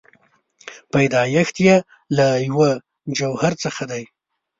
پیدایښت یې له یوه جوهر څخه دی.